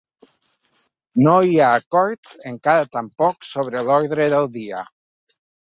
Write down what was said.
No hi ha acord encara tampoc sobre l’ordre del dia.